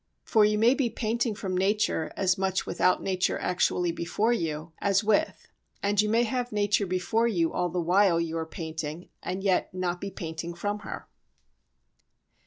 For you may be painting from nature as much without nature actually before you as with; and you may have nature before you all the while you are painting and yet not be painting from her.